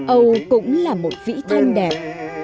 âu cũng là một vĩ thanh đẹp